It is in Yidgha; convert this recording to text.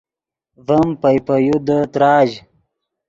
ڤیم پئے پے یو دے تراژ